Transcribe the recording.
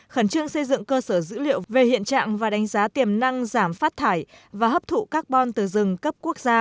khẩn trương xây dựng cơ sở dữ liệu về hiện trạng và đánh giá tiềm năng giảm phát thải và hấp thụ carbon từ rừng cấp quốc gia